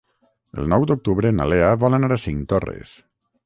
El nou d'octubre na Lea vol anar a Cinctorres.